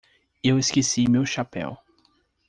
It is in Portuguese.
Eu esqueci meu chapéu.